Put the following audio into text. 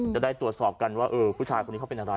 จะได้ตรวจสอบกันว่าผู้ชายคนนี้เขาเป็นอะไร